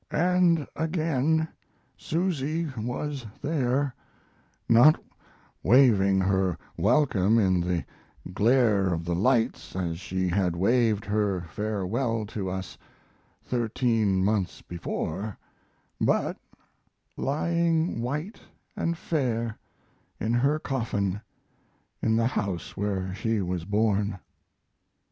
And again Susy was there, not waving her welcome in the glare of the lights as she had waved her farewell to us thirteen months before, but lying white and fair in her coffin in the house where she was born.